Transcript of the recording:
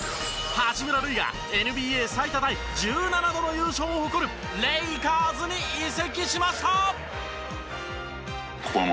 八村塁がＮＢＡ最多タイ１７度の優勝を誇るレイカーズに移籍しました。